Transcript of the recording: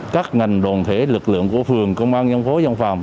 các ngành đoàn thể lực lượng của phường công an dân phố dân phòng